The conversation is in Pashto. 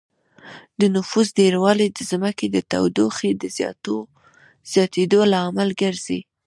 د نفوس ډېروالی د ځمکې د تودوخې د زياتېدو لامل ګرځي